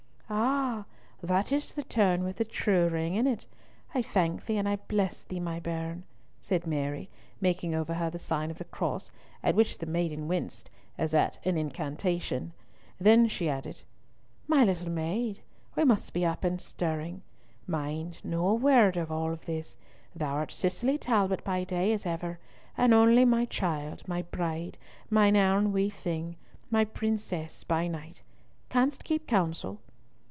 "Ah! that is the tone with the true ring in it. I thank thee and I bless thee, my bairn," said Mary, making over her the sign of the cross, at which the maiden winced as at an incantation. Then she added, "My little maid, we must be up and stirring. Mind, no word of all this. Thou art Cicely Talbot by day, as ever, and only my child, my Bride, mine ain wee thing, my princess by night. Canst keep counsel?"